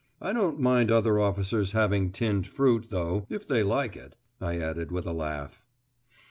I don't mind other officers having tinned fruit, though, if they like it," I added with a laugh.